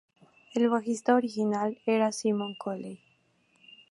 El bajista original era Simon Colley.